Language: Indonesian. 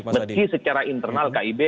meski secara internal kib